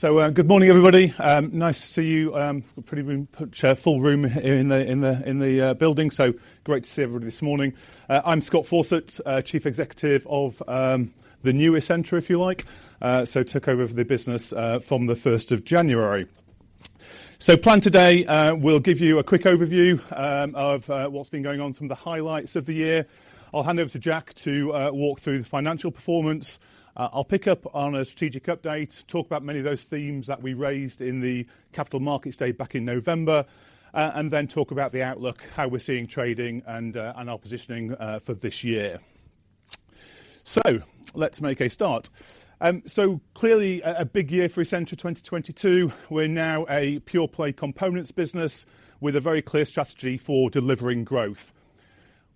Good morning, everybody. Nice to see you. We're pretty full room in the building, great to see everybody this morning. I'm Scott Fawcett, Chief Executive of the new Essentra, if you like. Took over for the business from the 1 January 2022. Plan today, we'll give you a quick overview of what's been going on, some of the highlights of the year. I'll hand over to Jack to walk through the financial performance. I'll pick up on a strategic update, talk about many of those themes that we raised in the Capital Markets Day back in November. Talk about the outlook, how we're seeing trading and our positioning for this year. Let's make a start. Clearly a big year for Essentra, 2022. We're now a pure-play components business with a very clear strategy for delivering growth.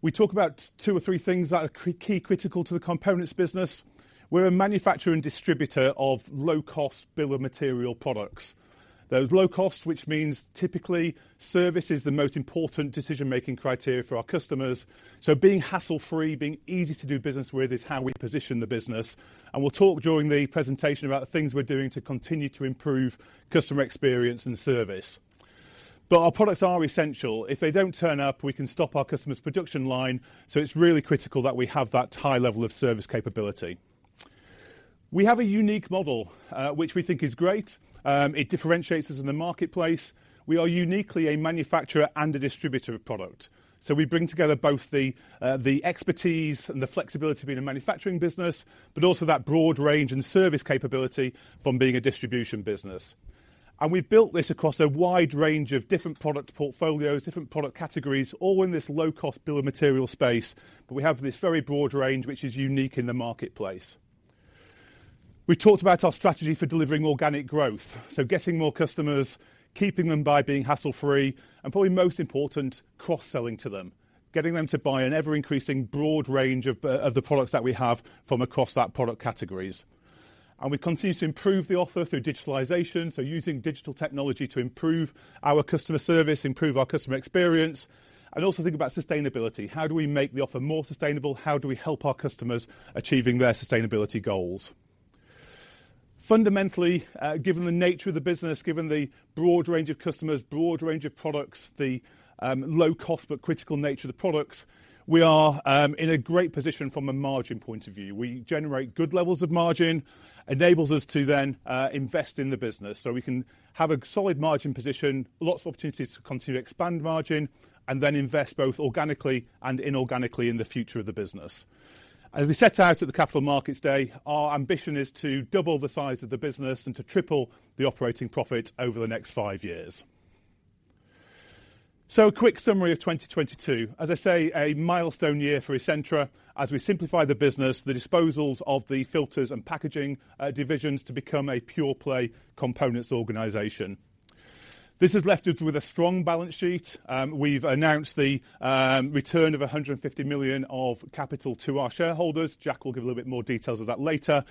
We talk about two or three things that are key critical to the components business. We're a manufacturer and distributor of low-cost bill of material products. Those low costs, which means typically service is the most important decision-making criteria for our customers. Being hassle-free, being easy to do business with is how we position the business, and we'll talk during the presentation about the things we're doing to continue to improve customer experience and service. Our products are essential. If they don't turn up, we can stop our customer's production line, so it's really critical that we have that high level of service capability. We have a unique model, which we think is great. It differentiates us in the marketplace. We are uniquely a manufacturer and a distributor of product. We bring together both the expertise and the flexibility of being a manufacturing business, but also that broad range and service capability from being a distribution business. We've built this across a wide range of different product portfolios, different product categories, all in this low-cost bill of material space. We have this very broad range, which is unique in the marketplace. We talked about our strategy for delivering organic growth, so getting more customers, keeping them by being hassle-free, and probably most important, cross-selling to them, getting them to buy an ever-increasing broad range of the products that we have from across that product categories. We continue to improve the offer through digitalization, so using digital technology to improve our customer service, improve our customer experience, and also think about sustainability. How do we make the offer more sustainable? How do we help our customers achieving their sustainability goals? Fundamentally, given the nature of the business, given the broad range of customers, broad range of products, the low cost, but critical nature of the products, we are in a great position from a margin point of view. We generate good levels of margin, enables us to then invest in the business. We can have a solid margin position, lots of opportunities to continue to expand margin, and then invest both organically and inorganically in the future of the business. As we set out at the Capital Markets Day, our ambition is to double the size of the business and to triple the operating profit over the next five years. A quick summary of 2022. As I say, a milestone year for Essentra as we simplify the business, the disposals of the filters and packaging divisions to become a pure-play components organization. This has left us with a strong balance sheet. We've announced the return of 150 million of capital to our shareholders. Jack will give a little bit more details of that later.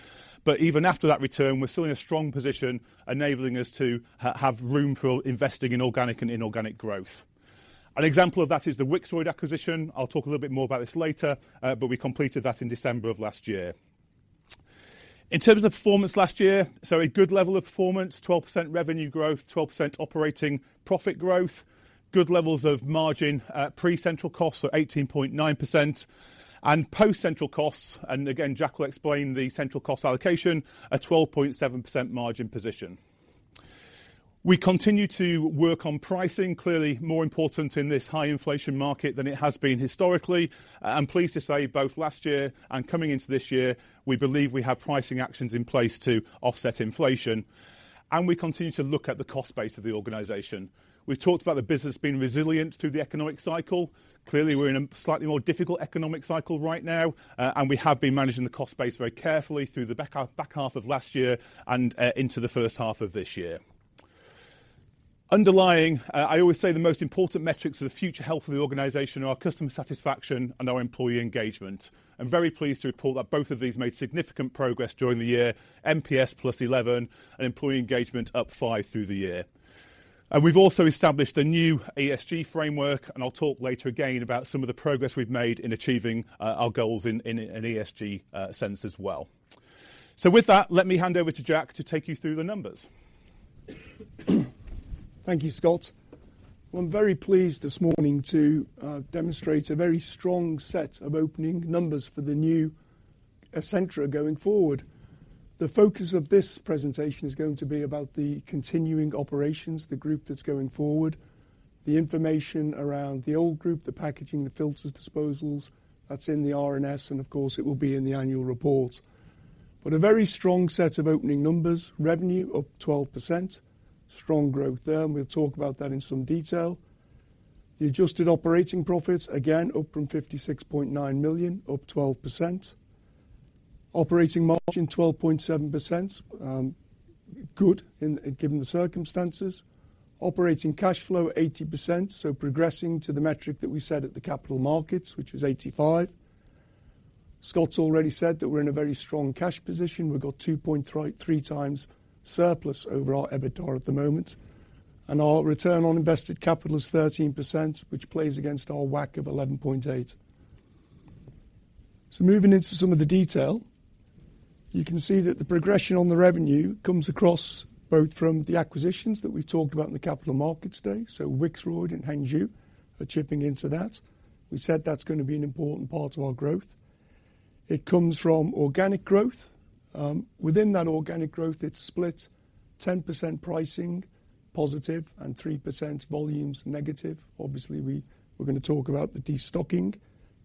Even after that return, we're still in a strong position, enabling us to have room for investing in organic and inorganic growth. An example of that is the Wixroyd acquisition. I'll talk a little bit more about this later, but we completed that in December of last year. In terms of performance last year, a good level of performance, 12% revenue growth, 12% operating profit growth, good levels of margin, pre-central costs are 18.9%, and post-central costs, and again, Jack will explain the central cost allocation, a 12.7% margin position. We continue to work on pricing, clearly more important in this high inflation market than it has been historically. I'm pleased to say both last year and coming into this year, we believe we have pricing actions in place to offset inflation, and we continue to look at the cost base of the organization. We've talked about the business being resilient through the economic cycle. Clearly, we're in a slightly more difficult economic cycle right now, and we have been managing the cost base very carefully through the back half of last year and into the first half of this year. Underlying, I always say the most important metrics for the future health of the organization are our customer satisfaction and our employee engagement. I'm very pleased to report that both of these made significant progress during the year, NPS plus 11% and employee engagement up 5% through the year. We've also established a new ESG framework, and I'll talk later again about some of the progress we've made in achieving our goals in an ESG sense as well. With that, let me hand over to Jack to take you through the numbers. Thank you, Scott. Well, I'm very pleased this morning to demonstrate a very strong set of opening numbers for the new Essentra going forward. The focus of this presentation is going to be about the continuing operations, the group that's going forward. The information around the old group, the packaging, the filters, disposals, that's in the RNS, and of course, it will be in the annual report. A very strong set of opening numbers. Revenue up 12%. Strong growth there, and we'll talk about that in some detail. The adjusted operating profits, again, up from 56.9 million, up 12%. Operating margin 12.7%, good in, given the circumstances. Operating cash flow 80%, so progressing to the metric that we set at the capital markets, which was 85%. Scott's already said that we're in a very strong cash position. We've got 2.33x surplus over our EBITDA at the moment. Our return on invested capital is 13%, which plays against our WACC of 11.8%. Moving into some of the detail, you can see that the progression on the revenue comes across both from the acquisitions that we've talked about in the Capital Markets Day. Wixroyd and Hengzhu are chipping into that. We said that's gonna be an important part of our growth. It comes from organic growth. Within that organic growth, it's split 10% pricing positive and 3% volumes negative. Obviously, we're gonna talk about the destocking.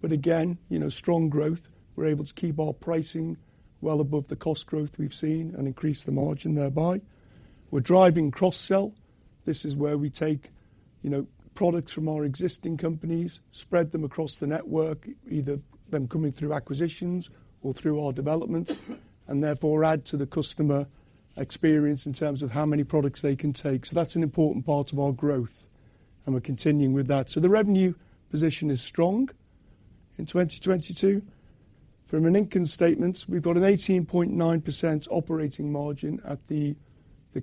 Again, you know, strong growth, we're able to keep our pricing well above the cost growth we've seen and increase the margin thereby. We're driving cross-sell. This is where we take, you know, products from our existing companies, spread them across the network, either them coming through acquisitions or through our developments, and therefore add to the customer experience in terms of how many products they can take. That's an important part of our growth, and we're continuing with that. The revenue position is strong in 2022. From an income statement, we've got an 18.9% operating margin at the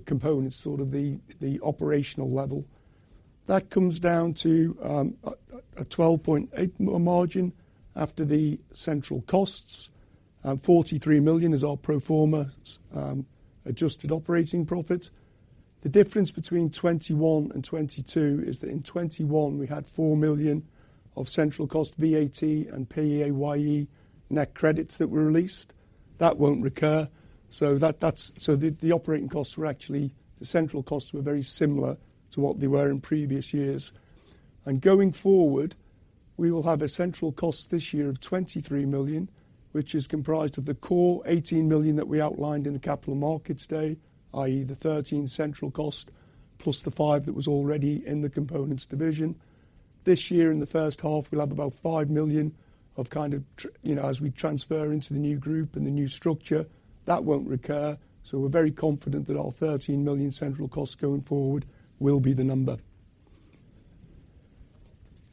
components, sort of the operational level. That comes down to a 12.8% margin after the central costs, and 43 million is our pro forma adjusted operating profit. The difference between 2021 and 2022 is that in 2021, we had 4 million of central cost VAT and PAYE net credits that were released. That won't recur. The operating costs were actually, the central costs were very similar to what they were in previous years. Going forward, we will have a central cost this year of 23 million, which is comprised of the core 18 million that we outlined in the Capital Markets Event, i.e. the 13 million central cost plus the 5 million that was already in the components division. This year in the first half, we'll have about 5 million of kind of, you know, as we transfer into the new group and the new structure, that won't recur. We're very confident that our 13 million central costs going forward will be the number.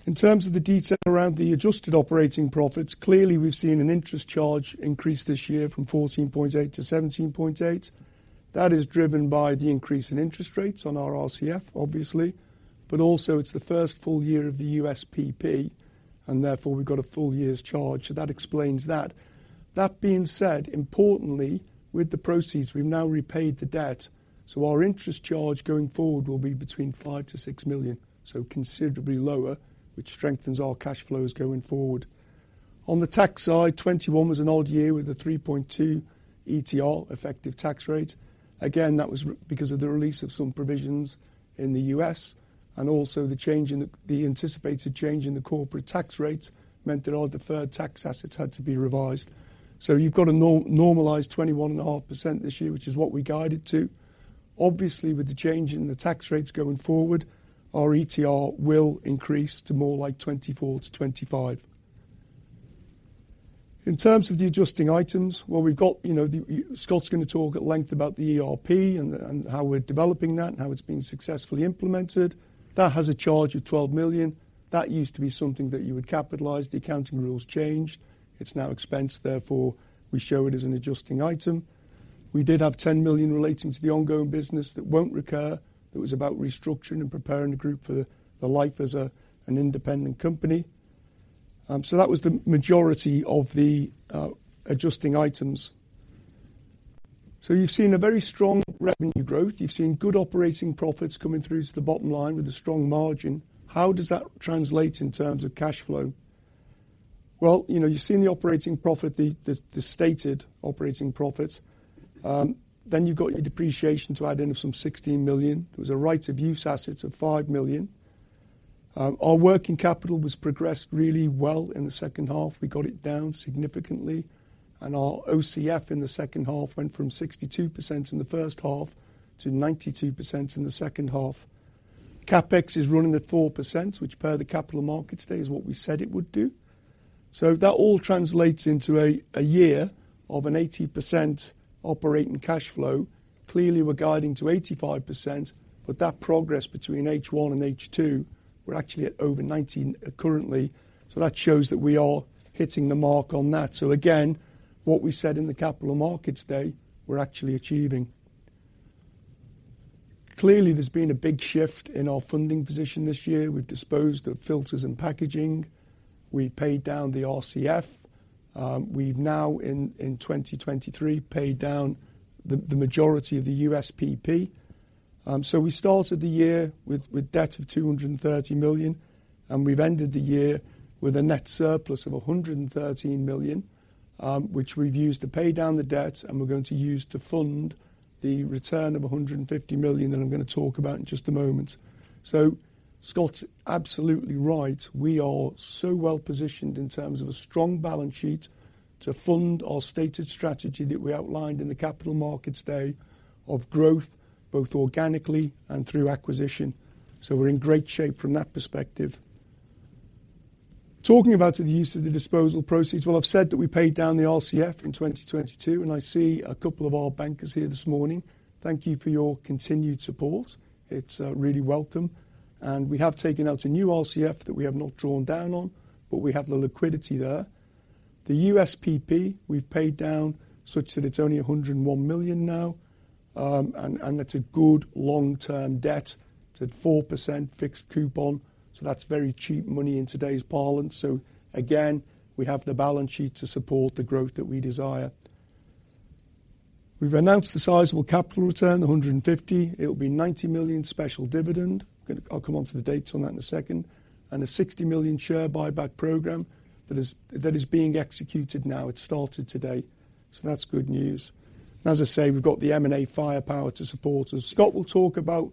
In terms of the detail around the adjusted operating profits, clearly, we've seen an interest charge increase this year from 14.8 to 17.8 million. That is driven by the increase in interest rates on our RCF, obviously, but also, it's the first full year of the USPP, and therefore we've got a full year's charge. That explains that. That being said, importantly, with the proceeds, we've now repaid the debt, so our interest charge going forward will be between 5 to 6 million, so considerably lower, which strengthens our cash flows going forward. On the tax side, 2021 was an odd year with a 3.2% ETR, effective tax rate. Again, that was because of the release of some provisions in the US, and also the anticipated change in the corporate tax rates meant that our deferred tax assets had to be revised. You've got a normalized 21.5% this year, which is what we guided to. With the change in the tax rates going forward, our ETR will increase to more like 24% to 25%. In terms of the adjusting items, well, you know, Scott's gonna talk at length about the ERP and how we're developing that and how it's been successfully implemented. That has a charge of 12 million. That used to be something that you would capitalize. The accounting rules changed. It's now expense, therefore, we show it as an adjusting item. We did have 10 million relating to the ongoing business that won't recur. It was about restructuring and preparing the group for the life as an independent company. That was the majority of the adjusting items. You've seen a very strong revenue growth. You've seen good operating profits coming through to the bottom line with a strong margin. How does that translate in terms of cash flow? Well, you know, you've seen the operating profit, the stated operating profit. You've got your depreciation to add in of some 16 million. There was a right of use assets of 5 million. Our working capital was progressed really well in the second half. We got it down significantly, our OCF in the second half went from 62% in the first half to 92% in the second half. CapEx is running at 4%, which per the Capital Markets day is what we said it would do. That all translates into a year of an 80% operating cash flow. Clearly, we're guiding to 85%, that progress between first half and second half, we're actually at over 19% currently. That shows that we are hitting the mark on that. Again, what we said in the Capital Markets Day, we're actually achieving. Clearly, there's been a big shift in our funding position this year. We've disposed of filters and packaging. We paid down the RCF. We've now in 2023, paid down the majority of the USPP. We started the year with debt of 230 million, and we've ended the year with a net surplus of 113 million, which we've used to pay down the debt and we're going to use to fund the return of 150 million that I'm gonna talk about in just a moment. Scott's absolutely right. We are so well-positioned in terms of a strong balance sheet to fund our stated strategy that we outlined in the Capital Markets Day of growth, both organically and through acquisition. We're in great shape from that perspective. Talking about the use of the disposal proceeds, I've said that we paid down the RCF in 2022, I see a couple of our bankers here this morning. Thank you for your continued support. It's really welcome. We have taken out a new RCF that we have not drawn down on, but we have the liquidity there. The USPP we've paid down such that it's only 101 million now. It's a good long-term debt. It's at 4% fixed coupon, that's very cheap money in today's parlance. Again, we have the balance sheet to support the growth that we desire. We've announced the sizable capital return, 150 million. It'll be 90 million special dividend. I'll come onto the dates on that in a second. A 60 million share buyback program that is being executed now. It started today. That's good news. As I say, we've got the M&A firepower to support us. Scott will talk about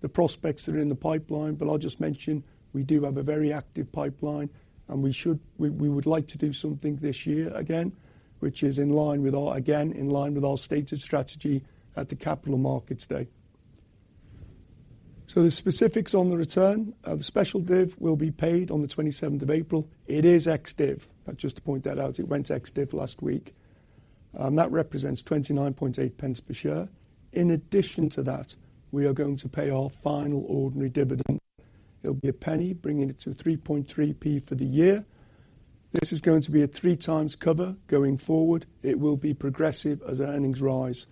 the prospects that are in the pipeline, I'll just mention we do have a very active pipeline, we would like to do something this year again, which is in line with our stated strategy at the Capital Markets Event. The specifics on the return of special div will be paid on the 27 April 2022. It is ex-div. Just to point that out, it went ex-div last week. That represents 0.298 per share. In addition to that, we are going to pay our final ordinary dividend. It'll be GBP 0.01, bringing it to 0.033 for the year. This is going to be a three times cover going forward. It will be progressive as earnings rise.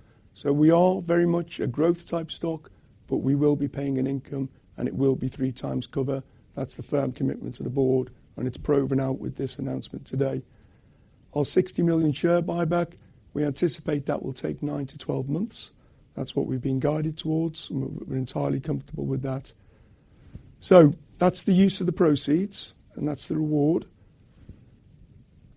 We are very much a growth-type stock, but we will be paying an income, and it will be three times cover. That's the firm commitment to the board, and it's proven out with this announcement today. Our 60 million share buyback, we anticipate that will take nine to 12 months. That's what we've been guided towards, and we're entirely comfortable with that. That's the use of the proceeds, and that's the reward.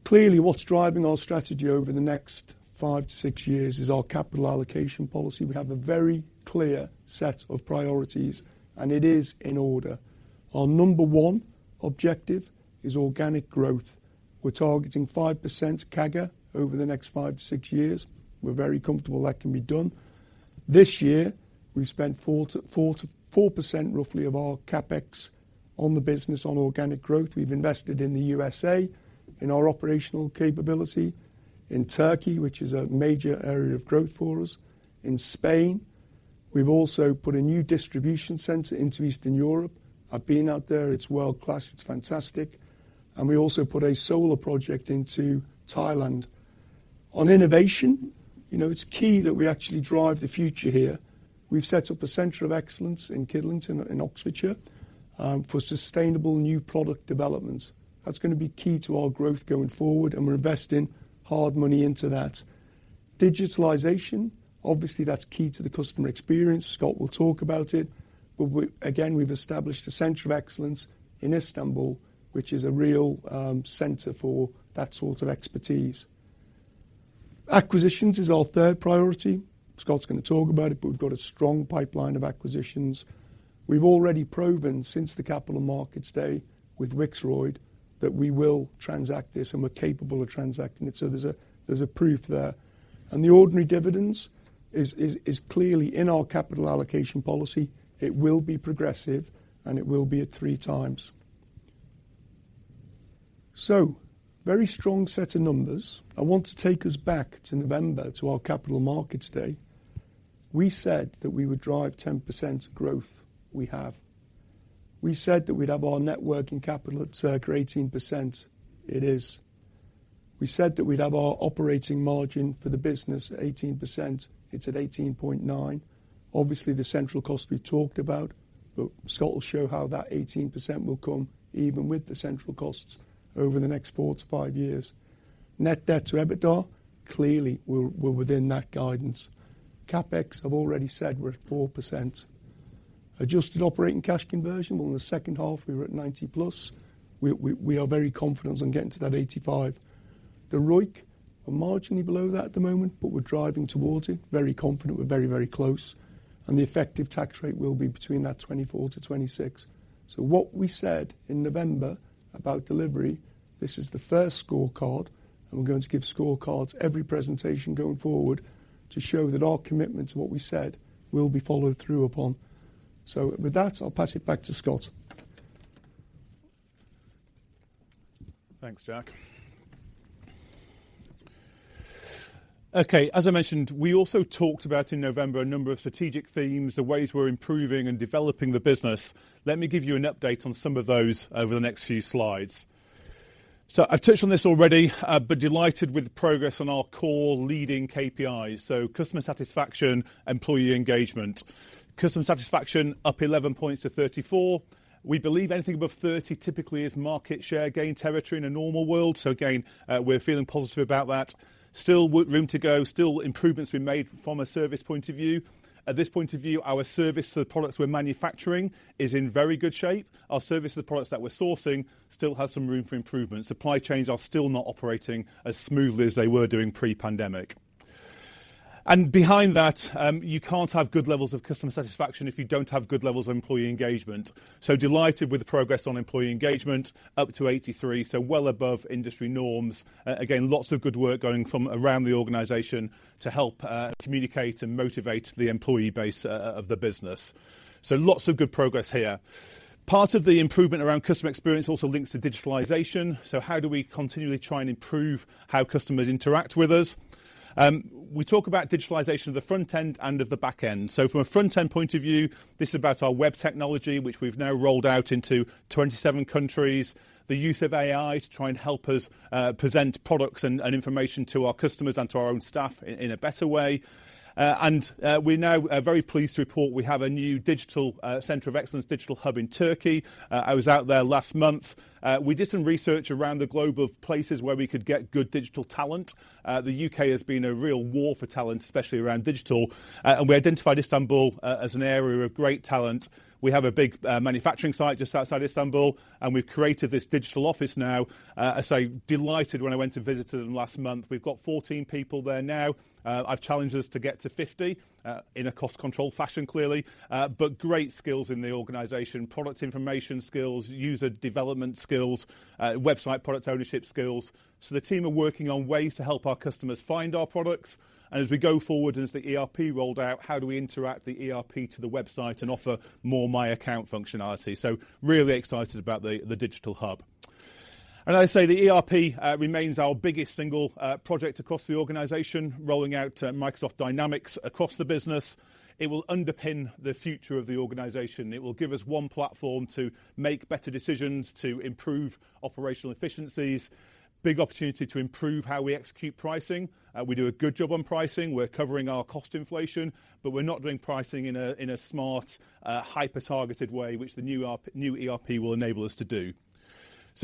Clearly, what's driving our strategy over the next five to six years is our capital allocation policy. We have a very clear set of priorities, and it is in order. Our number one objective is organic growth. We're targeting 5% CAGR over the next five to six years. We're very comfortable that can be done. This year, we've spent 4% roughly of our CapEx on the business on organic growth. We've invested in the USA, in our operational capability, in Turkey, which is a major area of growth for us, in Spain. We've also put a new distribution center into Eastern Europe. I've been out there. It's world-class. It's fantastic. We also put a solar project into Thailand. On innovation, you know, it's key that we actually drive the future here. We've set up a center of excellence in Kidlington, in Oxfordshire, for sustainable new product developments. That's gonna be key to our growth going forward, and we're investing hard money into that. Digitalization, obviously, that's key to the customer experience. Scott will talk about it. Again, we've established a center of excellence in Istanbul, which is a real center for that sort of expertise. Acquisitions is our third priority. Scott's gonna talk about it, we've got a strong pipeline of acquisitions. We've already proven since the Capital Markets Day with Wixroyd that we will transact this, and we're capable of transacting it. There's a proof there. The ordinary dividends is clearly in our capital allocation policy. It will be progressive, and it will be at three times. Very strong set of numbers. I want to take us back to November to our Capital Markets Day. We said that we would drive 10% growth. We have. We said that we'd have our net working capital at circa 18%. It is. We said that we'd have our operating margin for the business at 18%. It's at 18.9%. Obviously, the central cost we talked about, but Scott will show how that 18% will come even with the central costs over the next four to five years. Net debt to EBITDA, clearly, we're within that guidance. CapEx, I've already said we're at 4%. Adjusted operating cash conversion, well, in the second half we were at 90+. We are very confident on getting to that 85%. The ROIC are marginally below that at the moment, but we're driving towards it. Very confident we're very, very close, and the effective tax rate will be between that 24% to 26%. What we said in November about delivery, this is the first scorecard, and we're going to give scorecards every presentation going forward to show that our commitment to what we said will be followed through upon. With that, I'll pass it back to Scott. Thanks, Jack. Okay. As I mentioned, we also talked about in November a number of strategic themes, the ways we're improving and developing the business. Let me give you an update on some of those over the next few slides. I've touched on this already but delighted with the progress on our core leading KPIs. customer satisfaction, employee engagement. Customer satisfaction up 11% points to 34%. We believe anything above 30% typically is market share gain territory in a normal world. again, we're feeling positive about that. Still room to go, still improvements to be made from a service point of view. At this point of view, our service to the products we're manufacturing is in very good shape. Our service to the products that we're sourcing still has some room for improvement. Supply chains are still not operating as smoothly as they were doing pre-pandemic. Behind that, you can't have good levels of customer satisfaction if you don't have good levels of employee engagement. Delighted with the progress on employee engagement, up to 83%, so well above industry norms. Again, lots of good work going from around the organization to help communicate and motivate the employee base of the business. Lots of good progress here. Part of the improvement around customer experience also links to digitalization. How do we continually try and improve how customers interact with us? We talk about digitalization of the front end and of the back end. From a front-end point of view, this is about our web technology, which we've now rolled out into 27 countries. The use of AI to try and help us present products and information to our customers and to our own staff in a better way. We now are very pleased to report we have a new digital center of excellence, digital hub in Turkey. I was out there last month. We did some research around the globe of places where we could get good digital talent. The UK has been a real war for talent, especially around digital, we identified Istanbul as an area of great talent. We have a big manufacturing site just outside Istanbul, we've created this digital office now. As I delighted when I went to visit them last month. We've got 14 people there now. I've challenged us to get to 50 in a cost-controlled fashion, clearly. Great skills in the organization. Product information skills, user development skills, website product ownership skills. The team are working on ways to help our customers find our products. As we go forward, as the ERP rolled out, how do we interact the ERP to the website and offer more My Account functionality? Really excited about the digital hub. As I say, the ERP remains our biggest single project across the organization, rolling out Microsoft Dynamics across the business. It will underpin the future of the organization. It will give us one platform to make better decisions, to improve operational efficiencies. Big opportunity to improve how we execute pricing. We do a good job on pricing. We're covering our cost inflation, but we're not doing pricing in a hyper-targeted way, which the new ERP will enable us to do.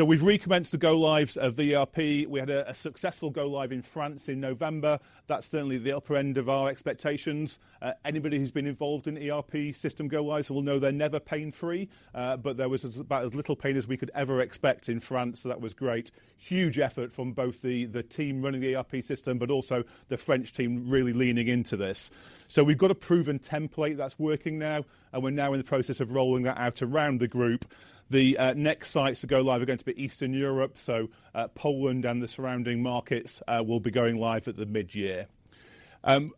We've recommenced the go lives of the ERP. We had a successful go live in France in November. That's certainly the upper end of our expectations. Anybody who's been involved in ERP system go lives will know they're never pain-free. There was as about as little pain as we could ever expect in France, so that was great. Huge effort from both the team running the ERP system, but also the French team really leaning into this. We've got a proven template that's working now, and we're now in the process of rolling that out around the group. The next sites to go live are going to be Eastern Europe. Poland and the surrounding markets will be going live at the mid-year.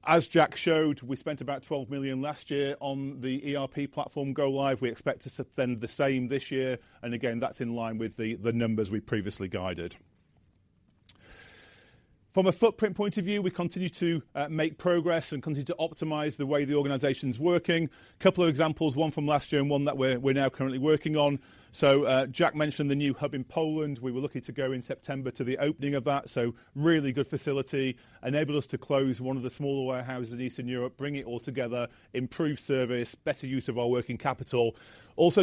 As Jack showed, we spent about 12 million last year on the ERP platform go live. We expect to spend the same this year. Again, that's in line with the numbers we previously guided. From a footprint point of view, we continue to make progress and continue to optimize the way the organization's working. Couple of examples, one from last year and one that we're now currently working on. Jack mentioned the new hub in Poland. We were lucky to go in September to the opening of that. Really good facility. Enabled us to close one of the smaller warehouses in Eastern Europe, bring it all together, improve service, better use of our working capital.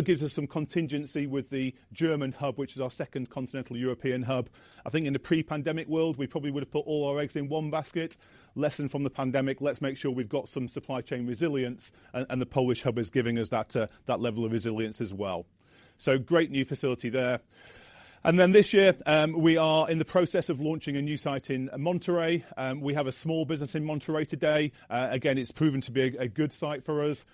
Gives us some contingency with the German hub, which is our second continental European hub. I think in the pre-pandemic world, we probably would have put all our eggs in one basket. Lesson from the pandemic, let's make sure we've got some supply chain resilience and the Polish hub is giving us that level of resilience as well. Great new facility there. This year, we are in the process of launching a new site in Monterrey. We have a small business in Monterrey today. Again, it's proven to be a good site for us.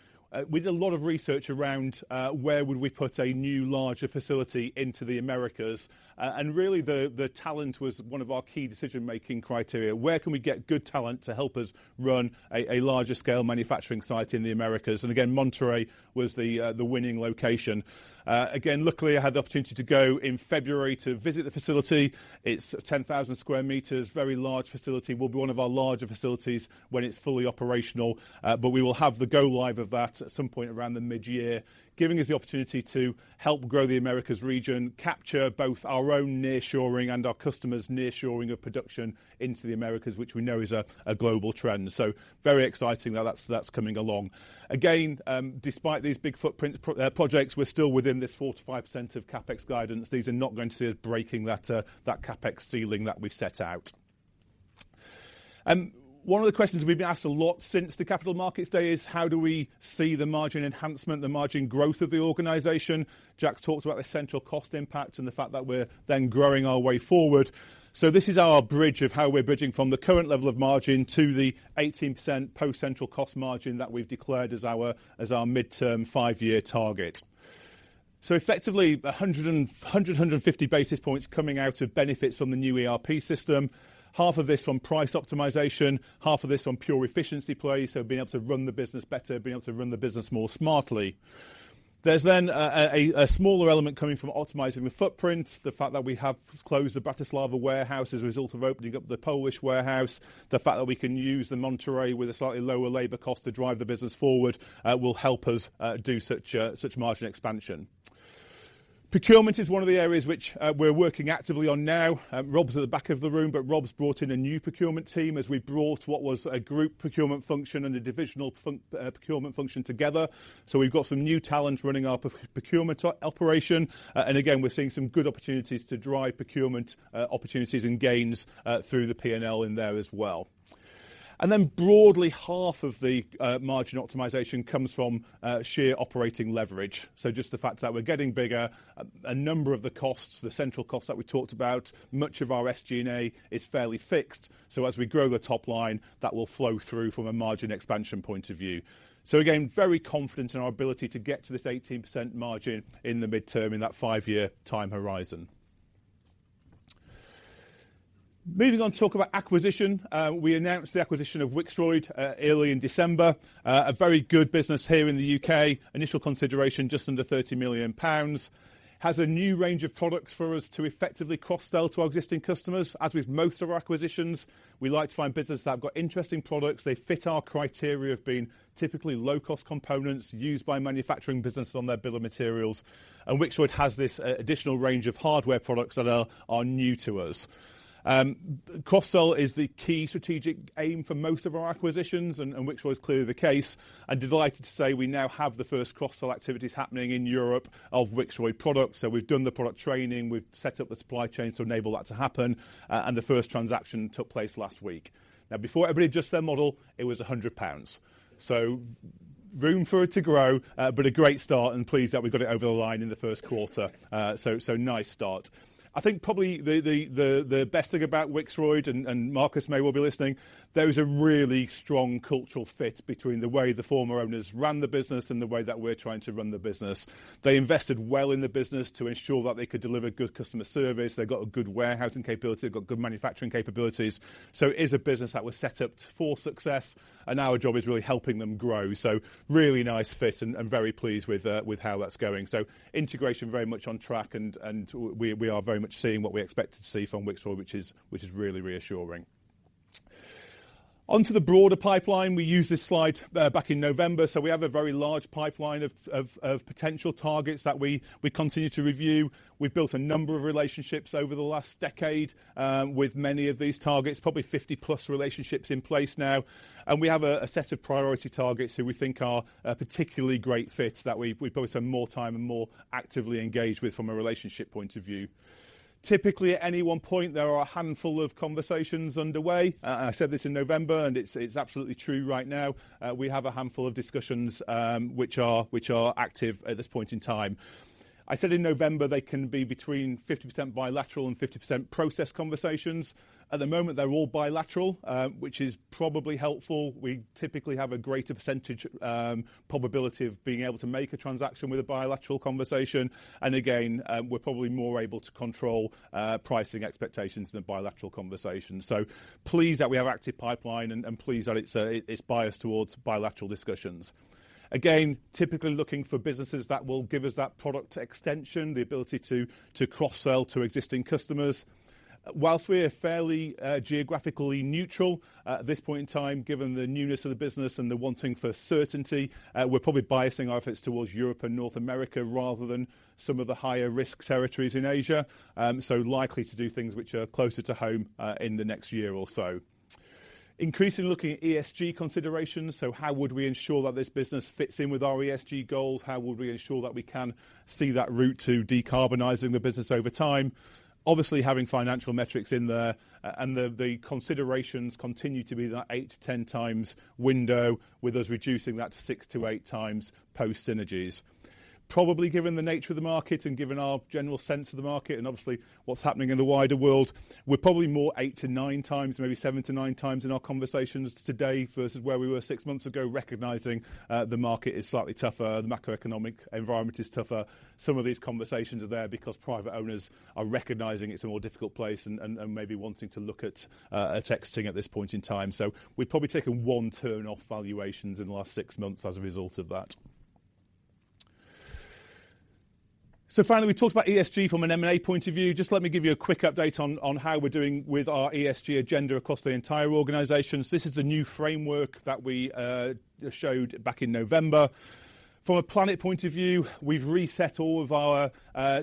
We did a lot of research around where would we put a new larger facility into the Americas. Really the talent was one of our key decision-making criteria. Where can we get good talent to help us run a larger scale manufacturing site in the Americas? Monterrey was the winning location. Luckily, I had the opportunity to go in February to visit the facility. It's 10,000 sq meters, very large facility. Will be one of our larger facilities when it's fully operational, but we will have the go live of that at some point around the mid-year, giving us the opportunity to help grow the Americas region, capture both our own nearshoring and our customers nearshoring of production into the Americas, which we know is a global trend. Very exciting that that's coming along. Despite these big footprint projects, we're still within this 4% to 5% of CapEx guidance. These are not going to see us breaking that CapEx ceiling that we've set out. One of the questions we've been asked a lot since the Capital Markets Day is how do we see the margin enhancement, the margin growth of the organization? Jack talked about the central cost impact and the fact that we're then growing our way forward. This is our bridge of how we're bridging from the current level of margin to the 18% post-central cost margin that we've declared as our, as our midterm five-year target. Effectively, 150 basis points coming out of benefits from the new ERP system. Half of this from price optimization, half of this on pure efficiency plays, so being able to run the business better, being able to run the business more smartly. There's a smaller element coming from optimizing the footprint. The fact that we have closed the Bratislava warehouse as a result of opening up the Polish warehouse. The fact that we can use the Monterrey with a slightly lower labor cost to drive the business forward, will help us do such margin expansion. Procurement is one of the areas which we're working actively on now. Rob's at the back of the room, Rob's brought in a new procurement team as we brought what was a group procurement function and a divisional procurement function together. We've got some new talent running our procurement operation. Again, we're seeing some good opportunities to drive procurement opportunities and gains through the P&L in there as well. Broadly, half of the margin optimization comes from sheer operating leverage. Just the fact that we're getting bigger, a number of the costs, the central costs that we talked about, much of our SG&A is fairly fixed. As we grow the top line, that will flow through from a margin expansion point of view. Again, very confident in our ability to get to this 18% margin in the midterm in that five-year time horizon. Moving on to talk about acquisition. We announced the acquisition of Wixroyd early in December. A very good business here in the UK. Initial consideration, just under 30 million pounds. Has a new range of products for us to effectively cross-sell to our existing customers. As with most of our acquisitions, we like to find business that have got interesting products. They fit our criteria of being typically low-cost components used by manufacturing business on their bill of materials. Wixroyd has this additional range of hardware products that are new to us. Cross-sell is the key strategic aim for most of our acquisitions, and Wixroyd is clearly the case. I'm delighted to say we now have the first cross-sell activities happening in Europe of Wixroyd products. We've done the product training, we've set up the supply chain to enable that to happen, and the first transaction took place last week. Before everybody adjusts their model, it was 100 pounds. Room for it to grow, but a great start and pleased that we got it over the line in the first quarter. Nice start. I think probably the best thing about Wixroyd and Marcus may well be listening, there is a really strong cultural fit between the way the former owners ran the business and the way that we're trying to run the business. They invested well in the business to ensure that they could deliver good customer service. They've got a good warehousing capability. They've got good manufacturing capabilities. It is a business that was set up for success, and our job is really helping them grow. Really nice fit and very pleased with how that's going. Integration very much on track, and we are very much seeing what we expected to see from Wixroyd, which is really reassuring. On to the broader pipeline. We used this slide back in November. We have a very large pipeline of potential targets that we continue to review. We've built a number of relationships over the last decade with many of these targets. Probably 50-plus relationships in place now. We have a set of priority targets who we think are a particularly great fit, that we'd probably spend more time and more actively engage with from a relationship point of view. Typically, at any one point, there are a handful of conversations underway. I said this in November, and it's absolutely true right now. We have a handful of discussions, which are active at this point in time. I said in November, they can be between 50% bilateral and 50% process conversations. At the moment, they're all bilateral, which is probably helpful. We typically have a greater percentage probability of being able to make a transaction with a bilateral conversation. Again, we're probably more able to control pricing expectations in a bilateral conversation. Pleased that we have active pipeline and pleased that it's biased towards bilateral discussions. Again, typically looking for businesses that will give us that product extension, the ability to cross-sell to existing customers. Whilst we are fairly geographically neutral, at this point in time, given the newness of the business and the wanting for certainty, we're probably biasing our efforts towards Europe and North America rather than some of the higher risk territories in Asia. likely to do things which are closer to home in the next year or so. Increasingly looking at ESG considerations. How would we ensure that this business fits in with our ESG goals? How would we ensure that we can see that route to decarbonizing the business over time? Obviously, having financial metrics in there, and the considerations continue to be that 8x to 10x window, with us reducing that to 6x to 8x post synergies. Probably given the nature of the market and given our general sense of the market and obviously what's happening in the wider world, we're probably more 8x to 9x, maybe 7x to 9x in our conversations today versus where we were six months ago, recognizing, the market is slightly tougher, the macroeconomic environment is tougher. Some of these conversations are there because private owners are recognizing it's a more difficult place and maybe wanting to look at exiting at this point in time. We've probably taken one turn off valuations in the last six months as a result of that. Finally, we talked about ESG from an M&A point of view. Just let me give you a quick update on how we're doing with our ESG agenda across the entire organization. This is the new framework that we showed back in November. From a planet point of view, we've reset all of our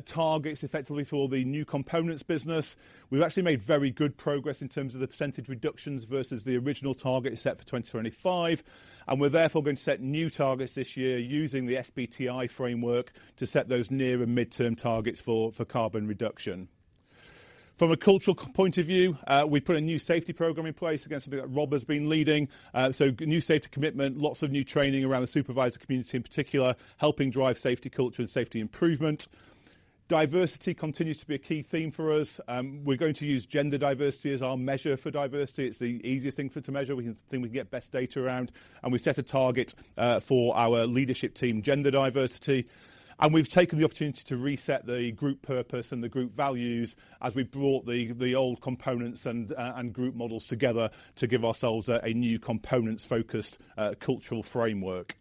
targets effectively for the new components business. We've actually made very good progress in terms of the percentage reductions versus the original target set for 2025, we're therefore going to set new targets this year using the SBTi framework to set those near and midterm targets for carbon reduction. From a cultural point of view, we put a new safety program in place. Again, something that Rob has been leading. New safety commitment, lots of new training around the supervisor community in particular, helping drive safety culture and safety improvement. Diversity continues to be a key theme for us. We're going to use gender diversity as our measure for diversity. It's the easiest thing for to measure. We can think we can get best data around. We set a target for our leadership team gender diversity. We've taken the opportunity to reset the group purpose and the group values as we brought the old components and group models together to give ourselves a new components-focused cultural framework.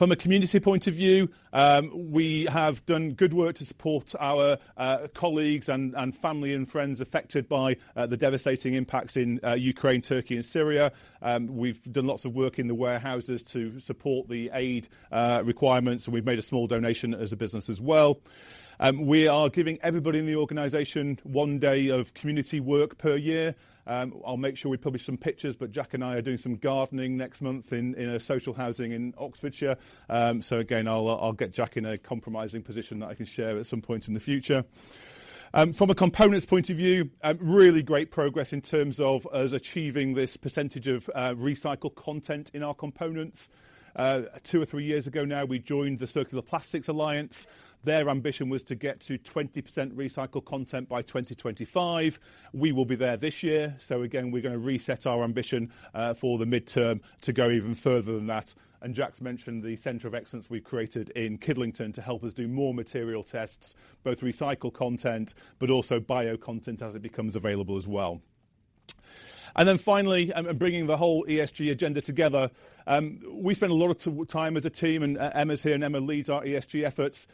From a community point of view, we have done good work to support our colleagues and family and friends affected by the devastating impacts in Ukraine, Turkey and Syria. We've done lots of work in the warehouses to support the aid requirements, and we've made a small donation as a business as well. We are giving everybody in the organization one day of community work per year. I'll make sure we publish some pictures. Jack and I are doing some gardening next month in social housing in Oxfordshire. Again, I'll get Jack in a compromising position that I can share at some point in the future. From a components point of view, really great progress in terms of us achieving this percentage of recycled content in our components. Two or three years ago now, we joined the Circular Plastics Alliance. Their ambition was to get to 20% recycled content by 2025. We will be there this year. Again, we're gonna reset our ambition for the midterm to go even further than that. Jack's mentioned the center of excellence we created in Kidlington to help us do more material tests, both recycled content but also bio content as it becomes available as well. Finally, bringing the whole ESG agenda together, we spent a lot of time as a team, and Emma's here, and Emma leads our ESG efforts,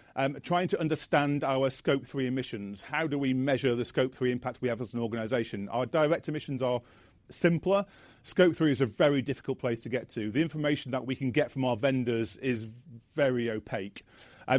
trying to understand our Scope 3 emissions. How do we measure the Scope 3 impact we have as an organization? Our direct emissions are simpler. Scope 3 is a very difficult place to get to. The information that we can get from our vendors is very opaque.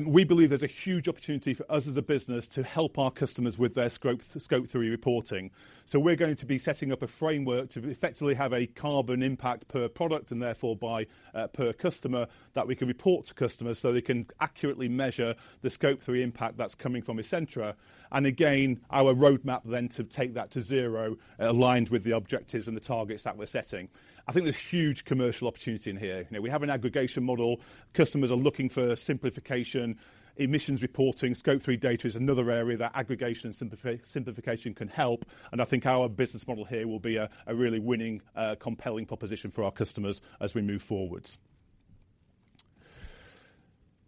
We believe there's a huge opportunity for us as a business to help our customers with their Scope 3 reporting. We're going to be setting up a framework to effectively have a carbon impact per product and therefore by per customer that we can report to customers so they can accurately measure the Scope 3 impact that's coming from Essentra. Again, our roadmap to take that to zero, aligned with the objectives and the targets that we're setting. I think there's huge commercial opportunity in here. You know, we have an aggregation model. Customers are looking for simplification. Emissions reporting, Scope 3 data is another area that aggregation and simplification can help, and I think our business model here will be a really winning, compelling proposition for our customers as we move forwards.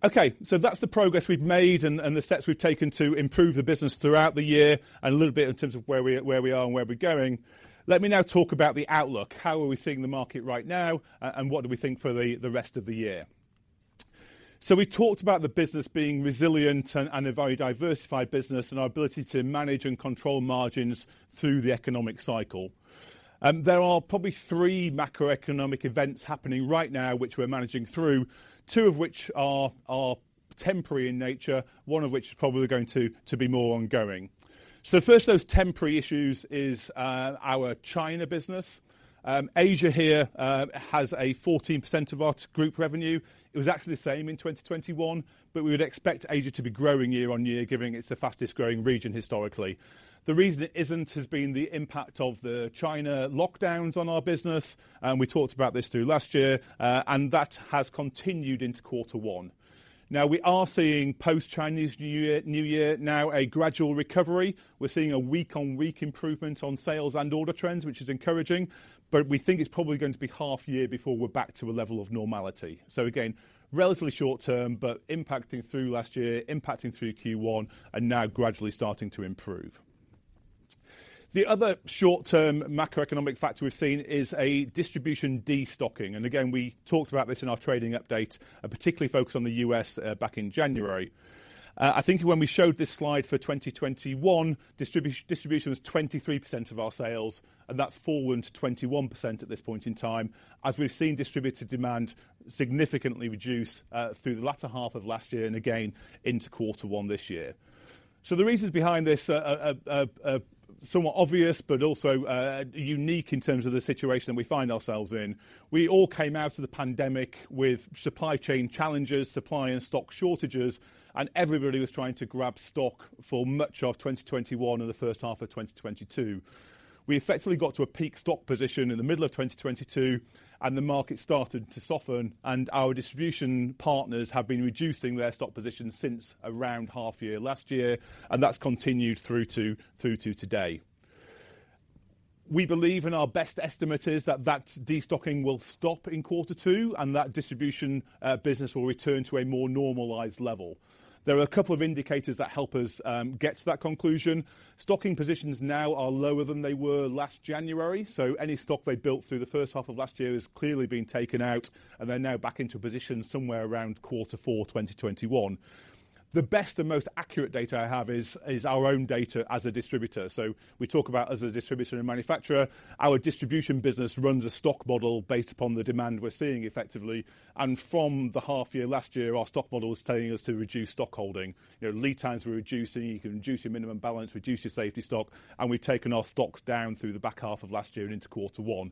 That's the progress we've made and the steps we've taken to improve the business throughout the year and a little bit in terms of where we are and where we're going. Let me now talk about the outlook. How are we seeing the market right now, and what do we think for the rest of the year? We talked about the business being resilient and a very diversified business, and our ability to manage and control margins through the economic cycle. There are probably three macroeconomic events happening right now, which we're managing through, two of which are temporary in nature, one of which is probably going to be more ongoing. The first of those temporary issues is our China business. Asia here has a 14% of our group revenue. It was actually the same in 2021, but we would expect Asia to be growing year-over-year, given it's the fastest growing region historically. The reason it isn't has been the impact of the China lockdowns on our business, and we talked about this through last year, and that has continued into first quarter. We are seeing post-Chinese New Year now a gradual recovery. We're seeing a week-over-week improvement on sales and order trends, which is encouraging, but we think it's probably going to be half year before we're back to a level of normality. Again, relatively short term, but impacting through last year, impacting through first quarter, and now gradually starting to improve. The other short-term macroeconomic factor we've seen is a distribution destocking, again, we talked about this in our trading update, and particularly focused on the US back in January. I think when we showed this slide for 2021, distribution was 23% of our sales, that's fallen to 21% at this point in time, as we've seen distributor demand significantly reduce through the latter half of last year and again into quarter one this year. The reasons behind this are somewhat obvious, also unique in terms of the situation we find ourselves in. We all came out of the pandemic with supply chain challenges, supply and stock shortages, and everybody was trying to grab stock for much of 2021 and the first half of 2022. We effectively got to a peak stock position in the middle of 2022, the market started to soften, and our distribution partners have been reducing their stock position since around half year last year. That's continued through to today. We believe and our best estimate is that that destocking will stop in second quarter, that distribution business will return to a more normalized level. There are a couple of indicators that help us get to that conclusion. Stocking positions now are lower than they were last January, so any stock they built through the first half of last year has clearly been taken out, and they're now back into a position somewhere around fourth quarter 2021. The best and most accurate data I have is our own data as a distributor. We talk about as a distributor and manufacturer, our distribution business runs a stock model based upon the demand we're seeing effectively. From the half year last year, our stock model was telling us to reduce stock holding. You know, lead times were reducing. You can reduce your minimum balance, reduce your safety stock, and we've taken our stocks down through the back half of last year and into quarter one.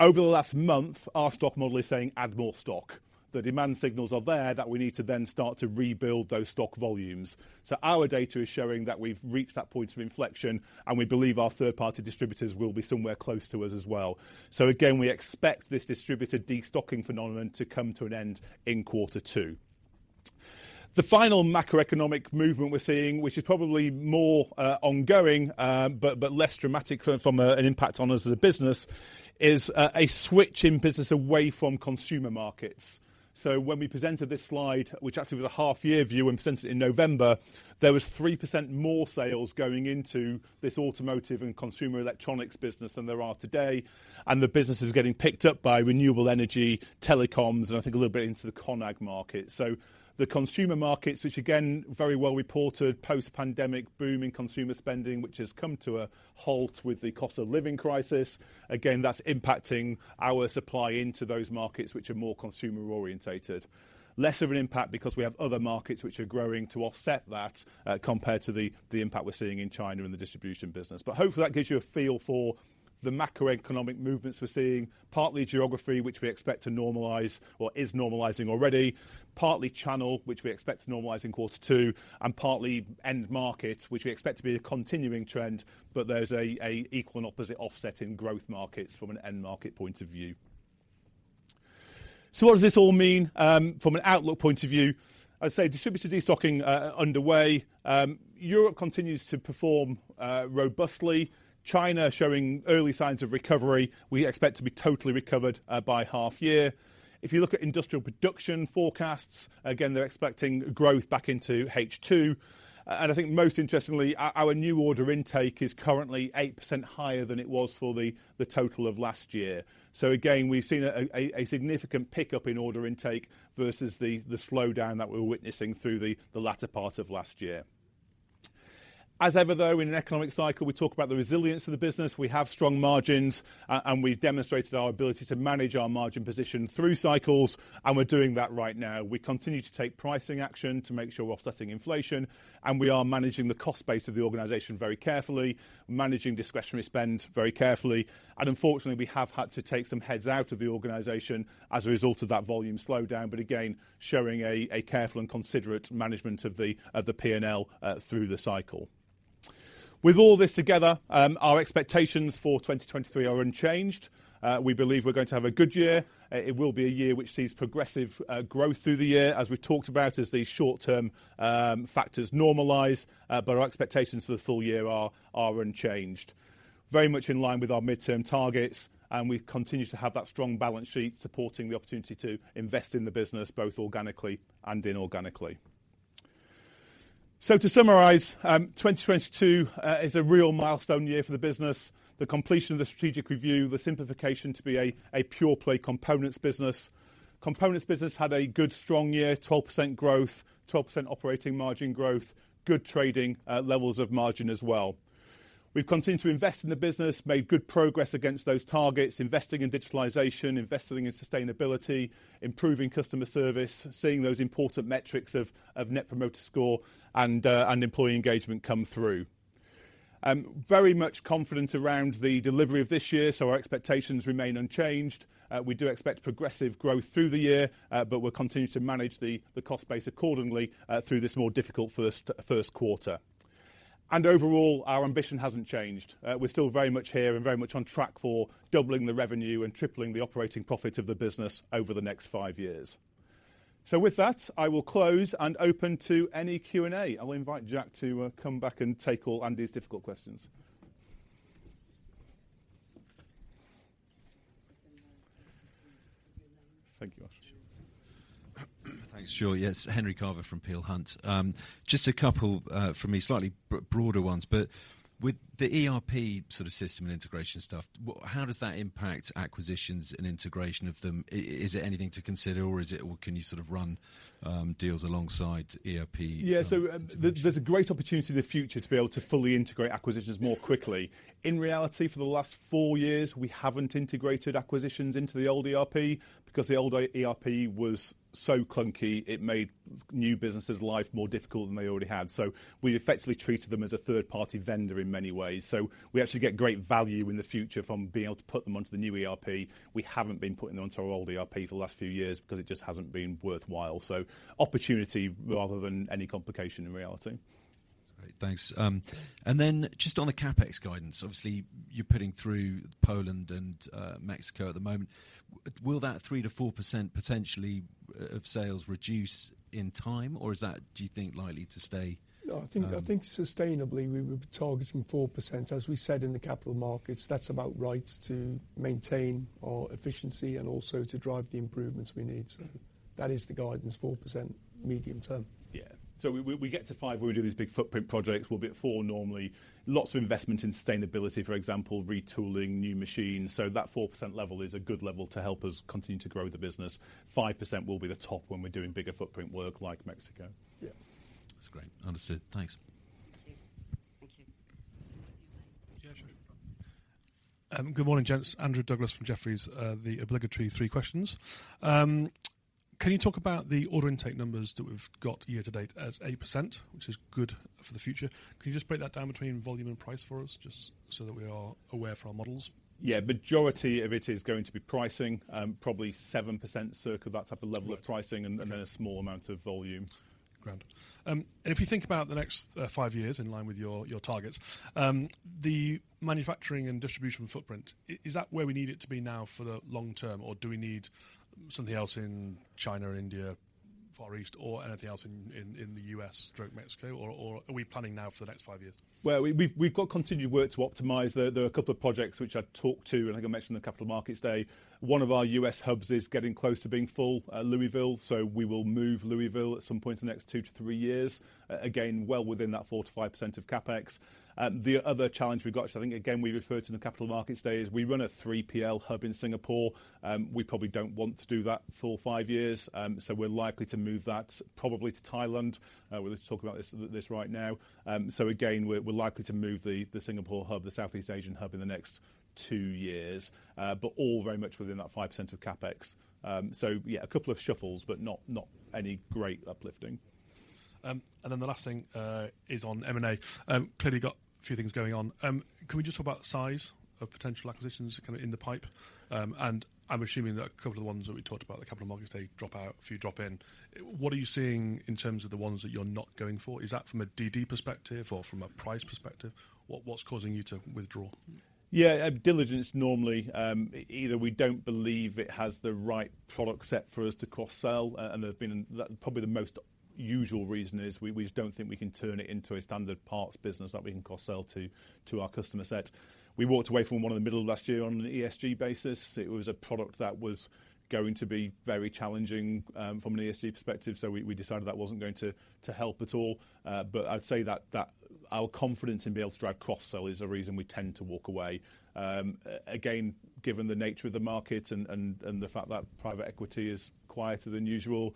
Over the last month, our stock model is saying add more stock. The demand signals are there that we need to then start to rebuild those stock volumes. Our data is showing that we've reached that point of inflection, and we believe our third-party distributors will be somewhere close to us as well. Again, we expect this distributor destocking phenomenon to come to an end in second quarter. The final macroeconomic movement we're seeing, which is probably more ongoing, but less dramatic from an impact on us as a business, is a switch in business away from consumer markets. When we presented this slide, which actually was a half-year view, and since in November, there was 3% more sales going into this automotive and consumer electronics business than there are today, and the business is getting picked up by renewable energy, telecoms, and I think a little bit into the ConAg market. The consumer markets, which again, very well reported, post-pandemic boom in consumer spending, which has come to a halt with the cost of living crisis, again, that's impacting our supply into those markets which are more consumer-oriented. Less of an impact because we have other markets which are growing to offset that, compared to the impact we're seeing in China and the distribution business. Hopefully that gives you a feel for the macroeconomic movements we're seeing, partly geography, which we expect to normalize or is normalizing already, partly channel, which we expect to normalize in second quarter, and partly end market, which we expect to be a continuing trend, but there's a equal and opposite offset in growth markets from an end market point of view. What does this all mean? From an outlook point of view, I'd say distributor destocking under way. Europe continues to perform robustly. China showing early signs of recovery. We expect to be totally recovered by half year. If you look at industrial production forecasts, again, they're expecting growth back into second half. I think most interestingly, our new order intake is currently 8% higher than it was for the total of last year. Again, we've seen a significant pickup in order intake versus the slowdown that we're witnessing through the latter part of last year. As ever, though, in an economic cycle, we talk about the resilience of the business. We have strong margins and we've demonstrated our ability to manage our margin position through cycles, and we're doing that right now. We continue to take pricing action to make sure we're offsetting inflation, and we are managing the cost base of the organization very carefully, managing discretionary spend very carefully, and unfortunately, we have had to take some heads out of the organization as a result of that volume slowdown. Again, showing a careful and considerate management of the P&L through the cycle. With all this together, our expectations for 2023 are unchanged. We believe we're going to have a good year. It will be a year which sees progressive growth through the year as we've talked about as these short-term factors normalize, our expectations for the full year are unchanged. Very much in line with our midterm targets, we continue to have that strong balance sheet supporting the opportunity to invest in the business, both organically and inorganically. To summarize, 2022 is a real milestone year for the business. The completion of the strategic review, the simplification to be a pure play components business. Components business had a good strong year, 12% growth, 12% operating margin growth, good trading, levels of margin as well. We've continued to invest in the business, made good progress against those targets, investing in digitalization, investing in sustainability, improving customer service, seeing those important metrics of net promoter score and employee engagement come through. Very much confident around the delivery of this year, our expectations remain unchanged. We do expect progressive growth through the year, we'll continue to manage the cost base accordingly, through this more difficult first quarter. Overall, our ambition hasn't changed. We're still very much here and very much on track for doubling the revenue and tripling the operating profit of the business over the next five years. With that, I will close and open to any Q&A. I will invite Jack to come back and take all Andy's difficult questions. Thank you. Thanks, sure. Yes, Henry Carver from Peel Hunt. Just a couple from me, slightly broader ones. With the ERP sort of system and integration stuff, how does that impact acquisitions and integration of them? Is there anything to consider or is it, can you sort of run deals alongside ERP? Yeah. There's a great opportunity in the future to be able to fully integrate acquisitions more quickly. In reality, for the last four years, we haven't integrated acquisitions into the old ERP because the old ERP was so clunky, it made new businesses life more difficult than they already had. We effectively treated them as a third-party vendor in many ways. We actually get great value in the future from being able to put them onto the new ERP. We haven't been putting them onto our old ERP for the last few years because it just hasn't been worthwhile. Opportunity rather than any complication in reality. Great. Thanks. Just on the CapEx guidance, obviously, you're putting through Poland and Mexico at the moment. Will that 3% to 4% potentially of sales reduce in time, or is that, do you think, likely to stay? No, I think sustainably, we're targeting 4%. As we said in the Capital Markets, that's about right to maintain our efficiency and also to drive the improvements we need. That is the guidance, 4% medium term. Yeah. We get to 5% when we do these big footprint projects. We'll be at 4% normally. Lots of investment in sustainability, for example, retooling new machines. That 4% level is a good level to help us continue to grow the business. 5% will be the top when we're doing bigger footprint work like Monterrey. Yeah. That's great. Understood. Thanks. Thank you. Yeah, sure. Good morning, gents. Andrew Douglas from Jefferies, the obligatory three questions. Can you talk about the order intake numbers that we've got year to date as 8%, which is good for the future? Can you just break that down between volume and price for us just so that we are aware for our models? Yeah. Majority of it is going to be pricing, probably 7% circa that type of level of pricing, and then a small amount of volume. Great. If you think about the next five years in line with your targets, the manufacturing and distribution footprint, is that where we need it to be now for the long term? Or do we need something else in China or India, Far East or anything else in the US/Mexico? Or are we planning now for the next five years? We've got continued work to optimize. There are a couple of projects which I talked to, like I mentioned in the Capital Markets Event, one of our US hubs is getting close to being full, Louisville, so we will move Louisville at some point in the next two to three years. Again, well within that 4% to 5% of CapEx. The other challenge we've got, which I think again we referred to in the Capital Markets Event, is we run a 3PL hub in Singapore. We probably don't want to do that for five years, we're likely to move that probably to Thailand. We'll look to talk about this right now. Again, we're likely to move the Singapore hub, the Southeast Asian hub in the next two years. All very much within that 5% of CapEx. Yeah, a couple of shuffles, but not any great uplifting. The last thing is on M&A. Clearly you got a few things going on. Can we just talk about size of potential acquisitions kind of in the pipe? I'm assuming that a couple of the ones that we talked about at Capital Markets Event drop out, a few drop in. What are you seeing in terms of the ones that you're not going for? Is that from a DD perspective or from a price perspective? What's causing you to withdraw? Yeah. Diligence normally, either we don't believe it has the right product set for us to cross-sell. That probably the most usual reason is we just don't think we can turn it into a standard parts business that we can cross-sell to our customer set. We walked away from one in the middle of last year on an ESG basis. It was a product that was going to be very challenging from an ESG perspective, so we decided that wasn't going to help at all. I'd say that our confidence in being able to drive cross-sell is the reason we tend to walk away. Again, given the nature of the market and the fact that private equity is quieter than usual,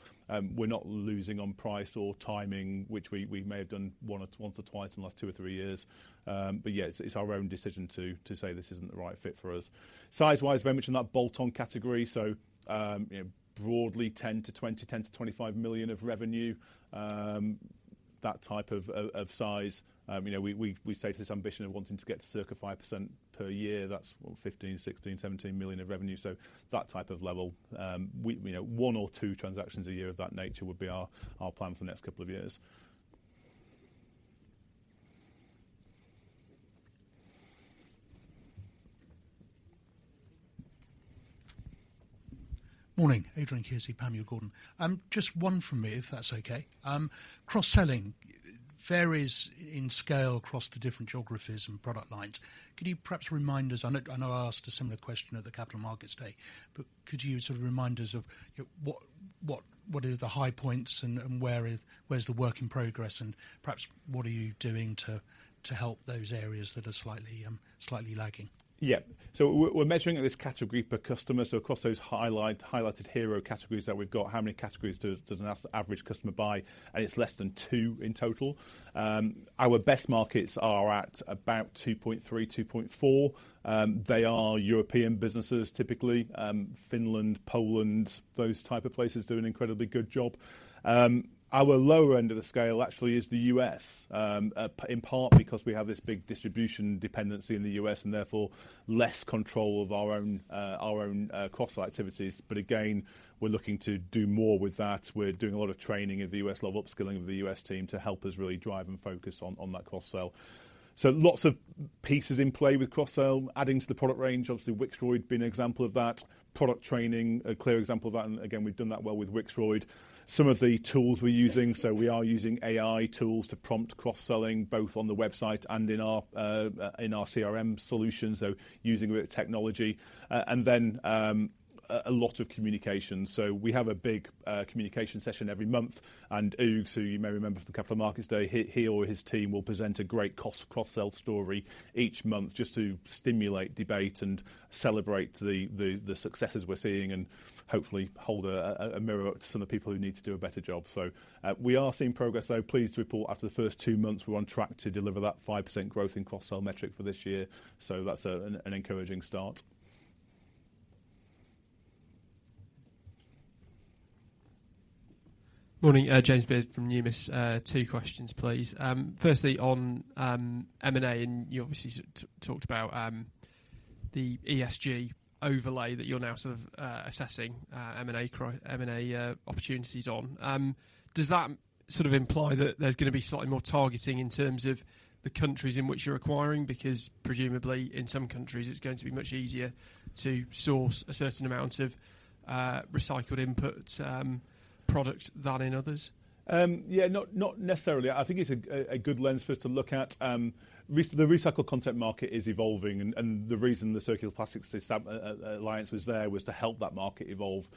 we're not losing on price or timing, which we may have done once or twice in the last two or three years. Yeah, it's our own decision to say, "This isn't the right fit for us." Size-wise, very much in that bolt-on category, you know, broadly 10 to 20 million, 10 to 25 million of revenue. That type of size. You know, we've stated this ambition of wanting to get to circa 5% per year. That's what 15 million, 16 million, 17 million of revenue, that type of level. We, you know, one or two transactions a year of that nature would be our plan for the next couple of years. Morning. Adrian Kearsey, Panmure Gordon. Just one from me, if that's okay. Cross-selling varies in scale across the different geographies and product lines. Could you perhaps remind us... I know I asked a similar question at the Capital Markets Event, but could you sort of remind us of, you know, what are the high points and where is, where's the work in progress? Perhaps what are you doing to help those areas that are slightly lagging? We're measuring this category per customer, so across those highlight, highlighted hero categories that we've got, how many categories does an average customer buy? It's less than 2% in total. Our best markets are at about 2.3%, 2.4%. They are European businesses, typically, Finland, Poland, those type of places do an incredibly good job. Our lower end of the scale actually is the US, in part because we have this big distribution dependency in the US and therefore less control of our own cross-sell activities. Again, we're looking to do more with that. We're doing a lot of training of the US, a lot of upskilling of the US team to help us really drive and focus on that cross-sell. Lots of pieces in play with cross-sell. Adding to the product range, obviously Wixroyd being an example of that. Product training, a clear example of that, and again, we've done that well with Wixroyd. Some of the tools we're using, we are using AI tools to prompt cross-selling, both on the website and in our in our CRM solution, using a bit of technology. A lot of communication. We have a big communication session every month. Hugues, who you may remember from Capital Markets Event, he or his team will present a great cost cross-sell story each month just to stimulate debate and celebrate the successes we're seeing and hopefully hold a mirror up to some of the people who need to do a better job. We are eeing progress though. Pleased to report after the first two months we're on track to deliver that 5% growth in cross-sell metric for this year. That's an encouraging start. Morning. James Beard from Numis. Two questions, please. Firstly, on M&A, you obviously talked about the ESG overlay that you're now sort of assessing M&A opportunities on. Does that sort of imply that there's gonna be slightly more targeting in terms of the countries in which you're acquiring? Presumably in some countries it's going to be much easier to source a certain amount of recycled input product than in others. Yeah, not necessarily. I think it's a good lens for us to look at. The recycled content market is evolving, and the reason the Circular Plastics Alliance was there was to help that market evolve.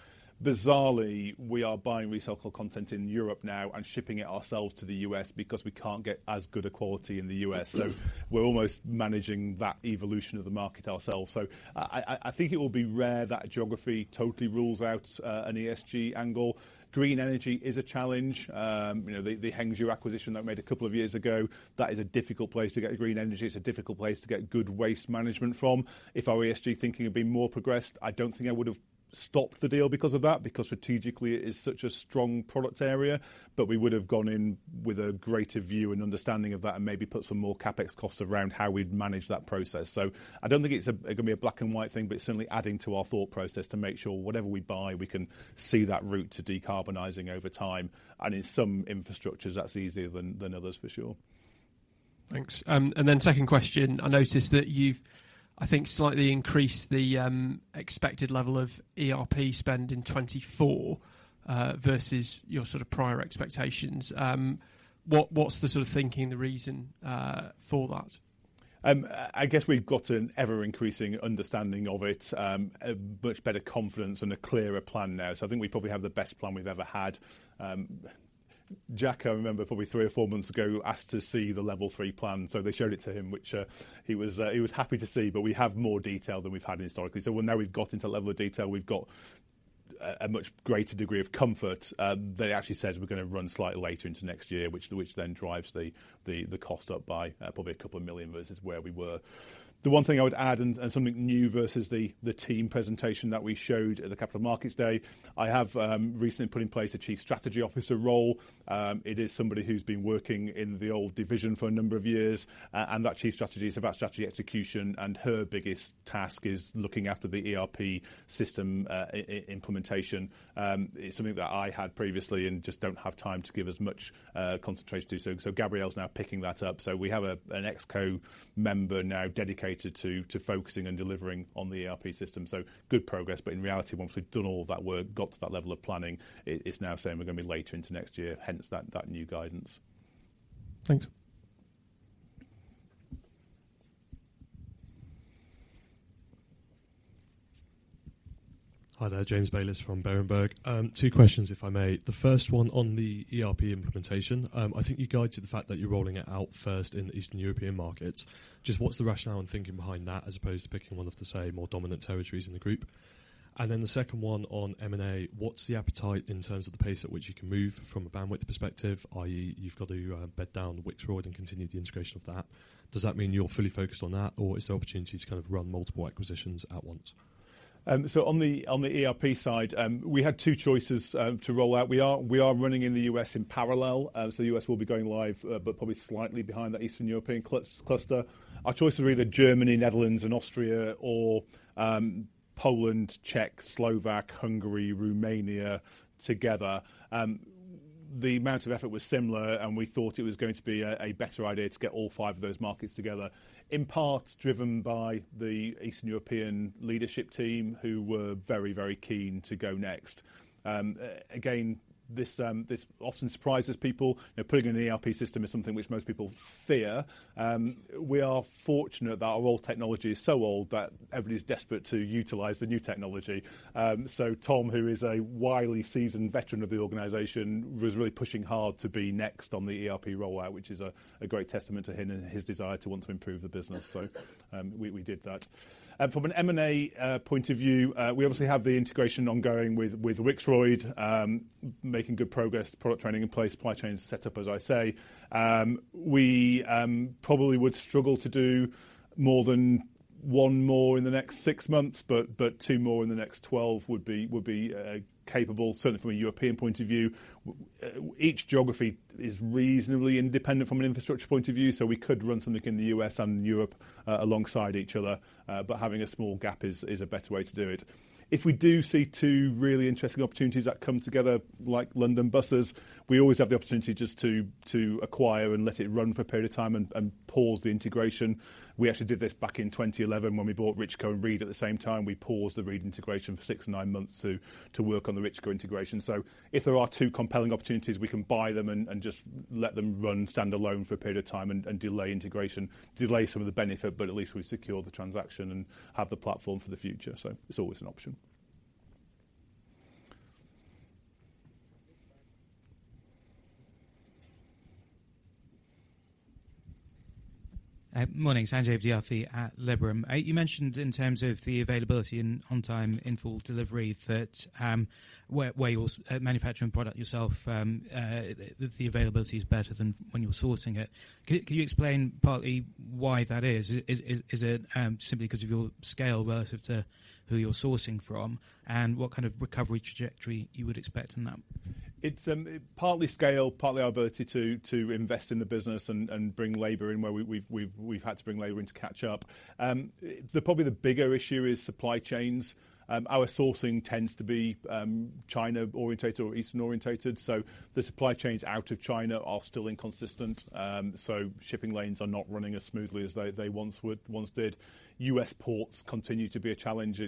Bizarrely, we are buying recycled content in Europe now and shipping it ourselves to the US because we can't get as good a quality in the US. We're almost managing that evolution of the market ourselves. I think it will be rare that geography totally rules out an ESG angle. Green energy is a challenge. You know, the Hengzhu acquisition that we made a couple of years ago, that is a difficult place to get green energy, it's a difficult place to get good waste management from. If our ESG thinking had been more progressed, I don't think I would've stopped the deal because of that, because strategically it is such a strong product area. We would have gone in with a greater view and understanding of that and maybe put some more CapEx costs around how we'd manage that process. I don't think it's a, it's gonna be a black and white thing, but it's certainly adding to our thought process to make sure whatever we buy, we can see that route to decarbonizing over time. In some infrastructures, that's easier than others, for sure. Thanks. Second question, I noticed that you've, I think, slightly increased the expected level of ERP spend in 2024, versus your sort of prior expectations. What's the sort of thinking, the reason, for that? I guess we've got an ever-increasing understanding of it, a much better confidence and a clearer plan now, I think we probably have the best plan we've ever had. Jack, I remember probably three or four months ago, asked to see the level three plan. They showed it to him, which he was happy to see, but we have more detail than we've had historically. Now we've got into level of detail, we've got a much greater degree of comfort that actually says we're gonna run slightly later into next year, which then drives the cost up by probably a 2 million versus where we were. The one thing I would add and something new versus the team presentation that we showed at the Capital Markets Event, I have recently put in place a chief strategy officer role. It is somebody who's been working in the old division for a number of years, and that chief strategy is about strategy execution, and her biggest task is looking after the ERP system implementation. It's something that I had previously and just don't have time to give as much concentration to, so Gabrielle is now picking that up. We have an ExCo member now dedicated to focusing and delivering on the ERP system. Good progress, but in reality, once we've done all that work, got to that level of planning, it's now saying we're gonna be later into next year, hence that new guidance. Thanks. Hi there, James Bayliss from Berenberg. Two questions if I may. The first one on the ERP implementation, I think you guided the fact that you're rolling it out first in Eastern European markets. Just what's the rationale and thinking behind that as opposed to picking one of the say, more dominant territories in the group? Then the second one on M&A, what's the appetite in terms of the pace at which you can move from a bandwidth perspective, i.e, you've got to bed down the Wixroyd and continue the integration of that. Does that mean you're fully focused on that or is there opportunity to kind of run multiple acquisitions at once? On the ERP side, we had two choices to roll out. We are running in the US in parallel. The US will be going live, but probably slightly behind the Eastern European cluster. Our choice is either Germany, Netherlands and Austria or Poland, Czech, Slovak, Hungary, Romania together. The amount of effort was similar. We thought it was going to be a better idea to get all five of those markets together, in part driven by the Eastern European leadership team who were very, very keen to go next. This often surprises people. You know, putting in an ERP system is something which most people fear. We are fortunate that our old technology is so old that everybody's desperate to utilize the new technology. Tom, who is a widely seasoned veteran of the organization, was really pushing hard to be next on the ERP rollout, which is a great testament to him and his desire to want to improve the business. We did that. From an M&A point of view, we obviously have the integration ongoing with Wixroyd, making good progress, product training in place, supply chain set up, as I say. We probably would struggle to do more than one more in the next six months, but two more in the next 12 would be capable, certainly from a European point of view. Each geography is reasonably independent from an infrastructure point of view. We could run something in the US and Europe alongside each other. Having a small gap is a better way to do it. If we do see two really interesting opportunities that come together like London Buses, we always have the opportunity just to acquire and let it run for a period of time and pause the integration. We actually did this back in 2011 when we bought Richco and Reid at the same time. We paused the Reid integration for six to nine months to work on the Richco integration. If there are two compelling opportunities, we can buy them and just let them run standalone for a period of time and delay integration, delay some of the benefit, but at least we've secured the transaction and have the platform for the future. It's always an option. Thanks. Morning. Sanjay Vidyarthi at Liberum. You mentioned in terms of the availability and on time in full delivery that where you're manufacturing product yourself, that the availability is better than when you're sourcing it. Can you explain partly why that is? Is it simply 'cause of your scale relative to who you're sourcing from? What kind of recovery trajectory you would expect on that? It's partly scale, partly our ability to invest in the business and bring labor in where we've had to bring labor in to catch up. Probably the bigger issue is supply chains. Our sourcing tends to be China-orientated or Eastern-orientated, the supply chains out of China are still inconsistent. Shipping lanes are not running as smoothly as they once would, once did. US ports continue to be a challenge.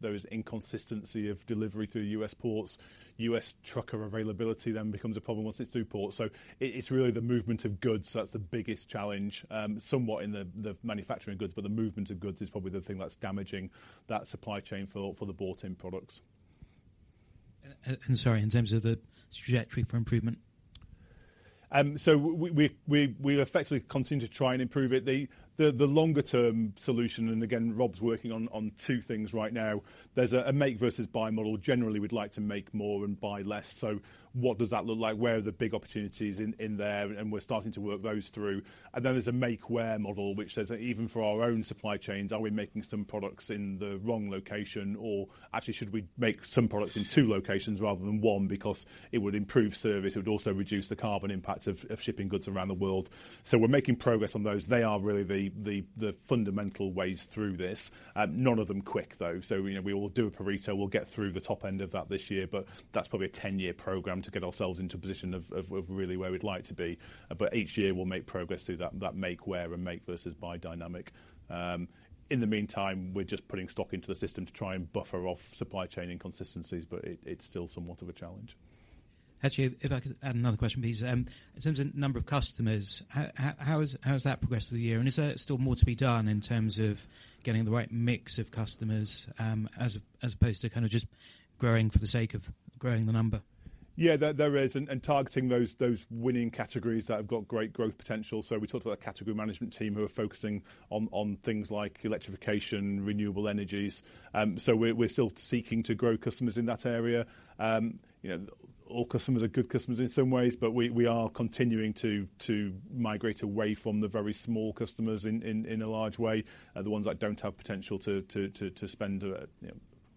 Those inconsistency of delivery through US ports. US trucker availability then becomes a problem once it's through port. It's really the movement of goods that's the biggest challenge, somewhat in the manufacturing goods, but the movement of goods is probably the thing that's damaging that supply chain for the bought-in products. Sorry, in terms of the trajectory for improvement? We effectively continue to try and improve it. The longer term solution, and again, Rob's working on two things right now. There's a make versus buy model. Generally, we'd like to make more and buy less. So what does that look like? Where are the big opportunities in there? We're starting to work those through. Then there's a make where model which says that even for our own supply chains, are we making some products in the wrong location, or actually should we make some products in two locations rather than one because it would improve service, it would also reduce the carbon impact of shipping goods around the world. We're making progress on those. They are really the fundamental ways through this. None of them quick, though. You know, we will do a Pareto, we'll get through the top end of that this year, but that's probably a 10-year program to get ourselves into a position of really where we'd like to be. Each year, we'll make progress through that make where and make versus buy dynamic. In the meantime, we're just putting stock into the system to try and buffer off supply chain inconsistencies, but it's still somewhat of a challenge. Actually, if I could add another question please. In terms of number of customers, how has that progressed through the year? Is there still more to be done in terms of getting the right mix of customers, as opposed to kinda just growing for the sake of growing the number? Yeah, there is and targeting those winning categories that have got great growth potential. We talked about a category management team who are focusing on things like electrification, renewable energies. We're still seeking to grow customers in that area. You know, all customers are good customers in some ways, but we are continuing to migrate away from the very small customers in a large way. The ones that don't have potential to spend, you know,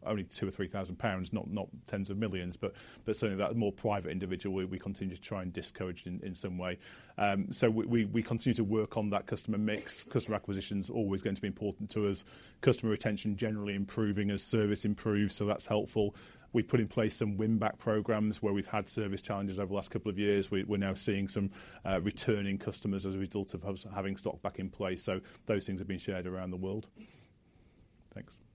only 2,000 or 3,000 pounds, not 10 million, but certainly that more private individual, we continue to try and discourage in some way. We continue to work on that customer mix. Customer acquisition's always going to be important to us. Customer retention generally improving as service improves, that's helpful. We've put in place some win back programs where we've had service challenges over the last two years. We're now seeing some returning customers as a result of having stock back in place. Those things have been shared around the world. Thanks.